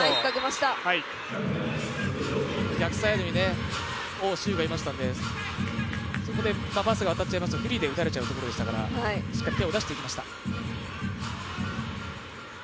逆サイドに王思雨がいましたので、そこでパスが渡ってしまいますと、フリーで打たれちゃうところでしたのでしっかり腕を出していきました。